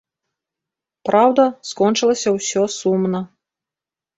Праўда, скончылася ўсё сумна.